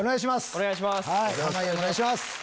お願いします。